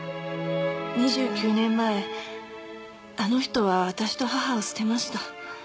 ２９年前あの人は私と母を捨てました。